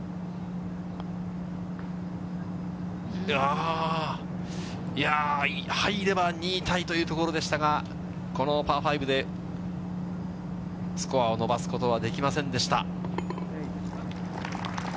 あー、いやー、入れば２位タイというところでしたが、このパー５でスコアを伸ばすことはできませんでした。